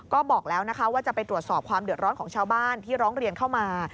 ก็บอกแล้วนะคะว่าจะไปตรวจสอบความเดือดร้อนของชาวบ้านที่ร้องเรียนเข้ามา